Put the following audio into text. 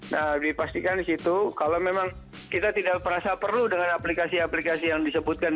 nah dipastikan di situ kalau memang kita tidak merasa perlu dengan aplikasi aplikasi yang disebutkan